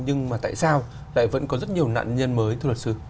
nhưng mà tại sao lại vẫn có rất nhiều nạn nhân mới thưa luật sư